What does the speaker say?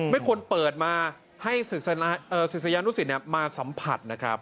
ไม่ควรเปิดมาให้ศิษยานุสิตมาสัมผัสนะครับ